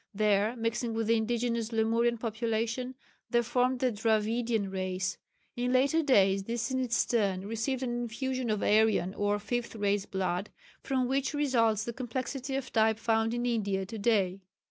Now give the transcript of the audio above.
There, mixing with the indigenous Lemurian population, they formed the Dravidian race. In later days this in its turn received an infusion of Aryan or Fifth Race blood, from which results the complexity of type found in India to day.